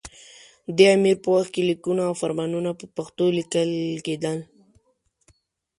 دې امیر په وخت کې لیکونه او فرمانونه په پښتو لیکل کېدل.